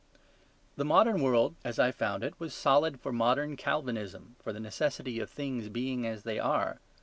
The modern world as I found it was solid for modern Calvinism, for the necessity of things being as they are.